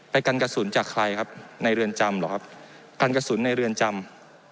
กันกระสุนจากใครครับในเรือนจำเหรอครับกันกระสุนในเรือนจำ